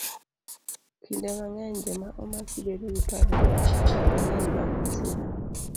Kinde mang'eny, joma omaki bedo gi parruok mang'eny bang' masira.